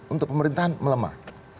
untuk pemerintahan melemah